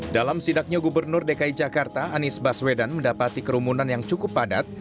dalam sidaknya gubernur dki jakarta anies baswedan mendapati kerumunan yang cukup padat